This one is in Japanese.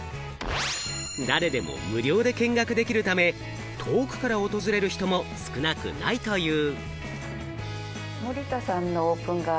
誰でも無料で見学できるため、遠くから訪れる人も少なくないという。